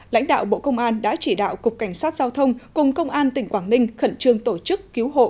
lãnh đạo bộ công an đã chỉ đạo cục cảnh sát giao thông cùng công an tỉnh quảng ninh khẩn trương tổ chức cứu hộ